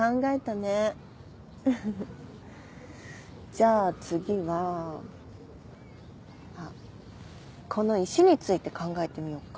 じゃあ次はあっこの石について考えてみよっか